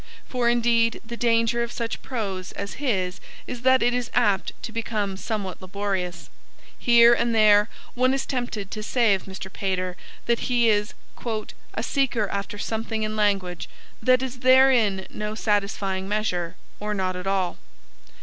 For indeed, the danger of such prose as his is that it is apt to become somewhat laborious. Here and there, one is tempted to say of Mr. Pater that he is 'a seeker after something in language, that is there in no satisfying measure, or not at all.'